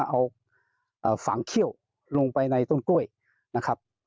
เอาฝังเขี้ยวลงไปในต้นกล้วยนะครับ